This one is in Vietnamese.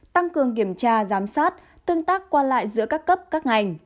tăng cường kiểm tra giám sát tương tác qua lại giữa các cấp các ngành